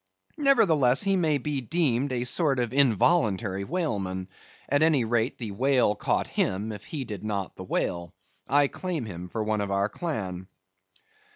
Nevertheless, he may be deemed a sort of involuntary whaleman; at any rate the whale caught him, if he did not the whale. I claim him for one of our clan.